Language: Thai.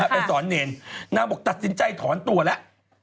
มาร์ชมันบอกตัดสินใจถอนตัวแล้ว